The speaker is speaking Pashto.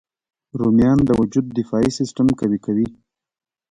رومیان د وجود دفاعي سیسټم قوي کوي